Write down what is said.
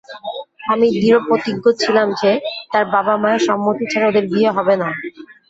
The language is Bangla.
আমি দৃঢ়প্রতিজ্ঞ ছিলাম যে তার বাবা-মায়ের সম্মতি ছাড়া ওদের বিয়ে হবে না।